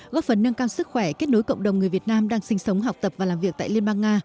góp phần nâng cao sức khỏe kết nối cộng đồng người việt nam đang sinh sống học tập và làm việc tại liên bang nga